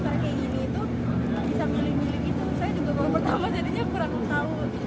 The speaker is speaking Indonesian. saya juga baru pertama jadinya kurang tahu